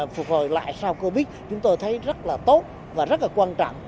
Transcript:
phục hồi lại sau covid chúng tôi thấy rất là tốt và rất là quan trọng